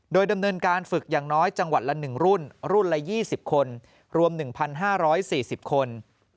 โดยดำเนินการฝึกอย่างน้อยจังหวัดละ๑รุ่นรุ่นละ๒๐คนรวม๑๕๔๐คน